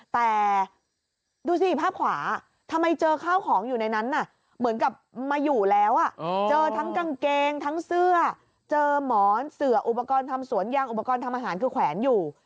แต่ดูสิภาพขวาทำไมเจอข้าวของอยู่ในนั้นน่ะเหมือนกับมาอยู่แล้วเจอทั้งกางเกงทั้งเสื้อเจอหมอนเสืออุปกรณ์ทำสวนยางอุปกรณ์ทำอาหารคือแขวนอยู่